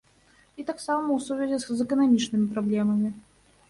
І таксама ў сувязі з эканамічнымі праблемамі.